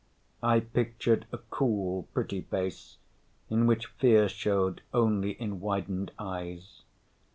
I pictured a cool, pretty face in which fear showed only in widened eyes.